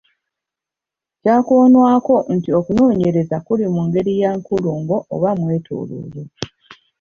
Kyakoonwako nti okunoonyereza kuli mu ngeri ya nkulungo oba mwetooloolo.